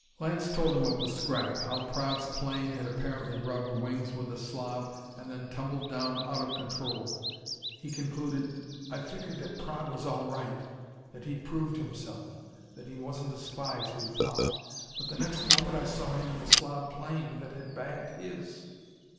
Lance told him of the scrap, how Praed's plane had apparently rubbed wings with a Slav and then tumbled down, out of control. He concluded: "I figured that Praed was all right, that he'd proved himself, that he wasn't a spy, as we'd thought. _But the next moment I saw him in the Slav plane that had bagged his!"